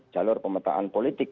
jalur pemetaan politik